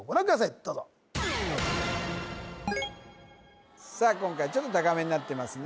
どうぞさあ今回ちょっと高めになってますね